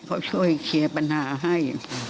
เขาช่วยเคลียร์ปัญหาให้